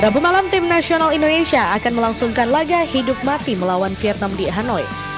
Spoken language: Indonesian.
rabu malam tim nasional indonesia akan melangsungkan laga hidup mati melawan vietnam di hanoi